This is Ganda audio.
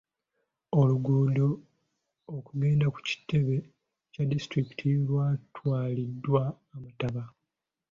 Oluguudo okugenda ku kitebe kya disitulikiti lwatwaliddwa amataba.